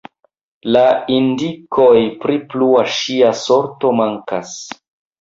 La indikoj pri plua ŝia sorto mankas.